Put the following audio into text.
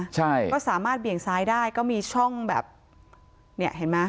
ใช่ก็สามารถเบี่ยงซ้ายได้ก็มีช่องแบบเนี่ยเห็นไหม